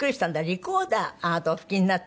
リコーダーあなたお吹きになって。